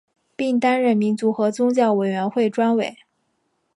并担任民族和宗教委员会专委。